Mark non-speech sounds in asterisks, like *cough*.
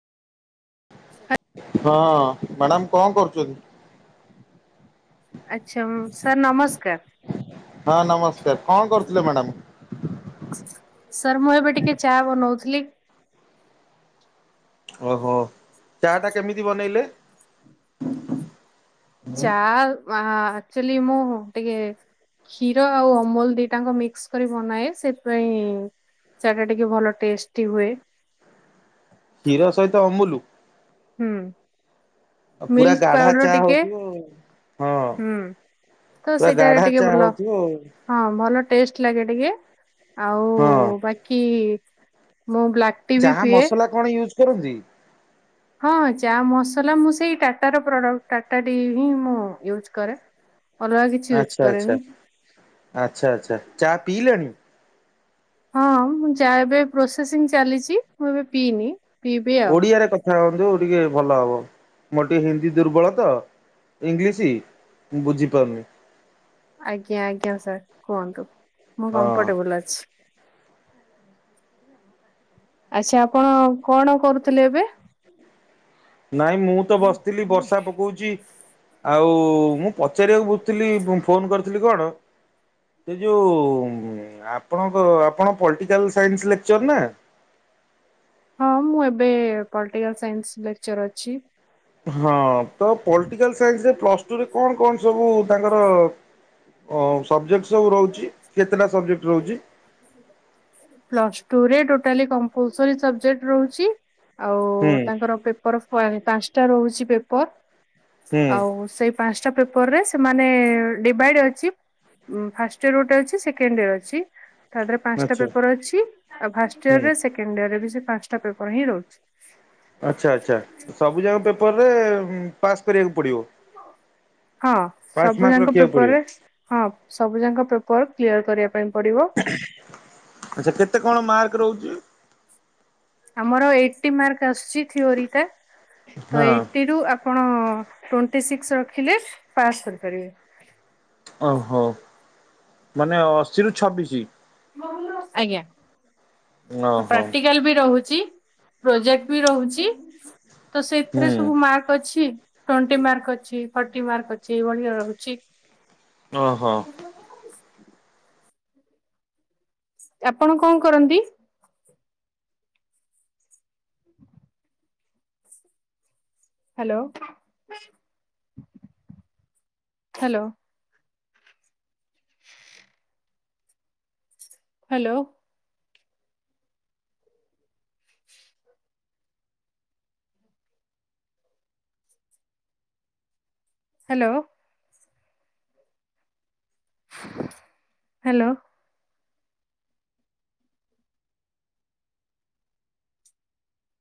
*inaudible* ହଁ ମାଡ଼ାମ କଣ କରୁଚନ୍ତି? ଆଚ୍ଛା ଉଁ ସାର୍ ନମସ୍କାର। ହଁ ନମସ୍କାର। କଁ କରୁଥୁଲେ ମାଡ଼ାମ? ସାର୍ ମୁଁ ଏବେ ଟିକେ ଚା ବନଉଥିଲି। ଓହୋ ଚାଟା କେମିତି ବନେଇଲେ? ଚାଆ ଆ ଆକ୍ଚୁଲି ମୁଁ ଟିକେ କ୍ଷୀର ଆଉ ଅମୁଲ ଦିଟା ଆଙ୍କ ମିକ୍ସ କରି ବନାଏ ସେଇଥିପାଇଁ ଚାଟା ଟିକେ ଭଲ ଟେଷ୍ଟି ହୁଏ। କ୍ଷୀର ସହିତ ଅମୁଲୁ? ହୁଁ। ଆଉ ପୁରା ମିଲ୍କ ଗାଢା ପାଉଡର ଚା ଟିକେ ହୋଉଥିବ ଆଉ। ହଁ ହୁଁ ତ ପୁରା ସେଇଟା ଗାଢା ଟିକେ ଚା ଭଲ ହୋଉଥିବ‌ ଆଉ। ହଁ ଭଲ ଟେଷ୍ଟ ଲାଗେ ଟିକେ। ଆଉ ହଁ। ବାକି ମୁଁ ବ୍ଲାକ୍ ଟି ବି ଚାହା ପିଏ। ମସଲା କଣ ୟୁଜ କରନ୍ତି । ହଁ ଚା ମସଲା ମୁଁ ସେଇ ଟାଟାର ପ୍ରଡ଼କ୍ଟ ଟାଟା ଟି ହିଁ ମୁଁ ୟୁଜ୍ କରେ। ଅଲଗା କିଛି ୟୁଜ ଆଚ୍ଛା ଆଚ୍ଛା କରେନି। ଆଚ୍ଛା ଆଚ୍ଛା ଚା ପିଇଲେଣି? ହଁ ମୁଁ ଚା ଏବେ ପ୍ରୋସେସିଂ ଚାଲିଚି ମୁଁ ଏବେ ପିଇନି। ପିଇବି ଆଉ। ଓଡ଼ିଆରେ କଥା ହୁଅ ହନ୍ତୁ ଟିକେ ଭଲ ହବ। ମୋର ଟିକେ ହିନ୍ଦୀ ଦୁର୍ବଳ ତ ଇଂଲିଶ ମୁଁ ବୁଝିପାରୁନି। ଆଜ୍ଞା ଆଜ୍ଞା ସାର୍ କୁହନ୍ତୁ। ମୁଁ ହଁ। କମ୍ଫଟେବୁଲ ଅଛି। ଆଚ୍ଛା ଆପଣ କଣ କରୁଥୁଲେ ଏବେ? ନାଇଁ ମୁଁ ତ ବସିଥିଲି ବର୍ଷା ପକୋଉଚି। ଆଉ ମୁଁ ପଚାରିବାକୁ ବୁଝଥିଲି ବୋ ଫୋନ କରିଥିଲି କଣ ସେ ଯୋଉ ଉଁ ଆପଣଙ୍କ ଆପଣ ପଲଟିକାଲ ସାଇନ୍ସ ଲେକ୍ଚର ନାଁ? ହଁ ମୁଁ ଏବେ ପଲିଟିକାଲ ସାଇନ୍ସ ଲେକ୍ଚର ଅଛି। ହଁ ତ ପଲିଟିକାଲ ସାଇନ୍ସରେ ପ୍ଲସ ଟୁ ରେ କଣ କଣ ସବୁ ତାଙ୍କର ହ ସବଜେକ୍ଟସ୍ ସବୁ ରହୁଛି। କେତେଟା ସବଜେକ୍ଟ୍ ରହୁଛି। ପ୍ଲସ ଟୁରେ ଟୋଟାଲି କମ୍ପଲସରୀ ସବଜେକ୍ଟ ରହୁଛି। ଆଉ ହୁଁ ତାଙ୍କର ପ୍ରେପର ସ୍କୋୟାରେ। ପାଞ୍ଚଟା ରହୁଛି ପେପର। ହୁଁ ଆଉ ସେଇ ପାଞ୍ଚଟା ପେପରରେ ସେମାନେ ଡିଭାଇଡି ଅଛି ଫାଷ୍ଟ ଇୟରେ ଗୋଟେ ଅଛି। ସେକେଣ୍ଡ ଇୟର ଅଛି। ତାପରେ ପାଞ୍ଚଟା ଆଚ୍ଛା ପେ ଅଛି ଆଉ ଫାଷ୍ଟ ହୁଁ ଇୟରେ ସେକେଣ୍ଡ ଇୟରେ ବି ସେଇ ପାଞ୍ଚଟା। ପେପର ହିଁ ରହୁଛି। ଆଚ୍ଛା ଆଚ୍ଛା ସବୁ ଜାଙ୍କ ପେପର ପରେ ପାସ୍ କରିବାକୁ ପଡିବ ହଁ ପାସ୍ ସବୁ ମାର୍କ ଯାଙ୍କ ରଖିବାକୁ ପେପର ପଡିବ ରେ ହଁ ସବୁ ଯାଙ୍କ ପେପ ପର୍ କ୍ଲିଅର କରିବା ପାଇଁ ପଡିବ ଆଚଛା କେତେ କଣ ମାର୍କ ରହୁଛି। ଆମର ଏଇଟଟି ମାର୍କ ଆସୁଛି ଥିଓରି ଟା। ତ ହଁ ଏଇଟଟି ରୁ ଆପଣ ଟ୍ୱେଣ୍ଟି ସିକ୍ସ ରଖିଲେ ପାସ କରିପାରିବେ। ଓହୋ ମାନେ ଅଶିରୁୁ ଛବିଶି। ଆଜ୍ଞା। ଓହୋ ପ୍ରାକ୍ଟିକାଲ ବି ରହୁ ପ୍ରୋଜେକ୍ଟ ବି ରହୁଛି। ତ ହୁଁ ସେଥିରେ ସବୁ ମାର୍କ ଅଛି। ଟ୍ୱେଣ୍ଟି ମାର୍କ ଅଛି ଫଥର୍ଟି ମାର୍କ ଅଛି ଏଇଭଳିଆ ରହୁଛି। *inaudible* ଓହୋ। ଆପଣ କଣ କରନ୍ତି? *inaudible* Hello hello. Hello. Hello. Hello.